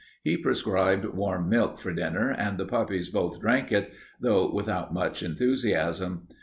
He prescribed warm milk for dinner, and the puppies both drank it, though without much enthusiasm.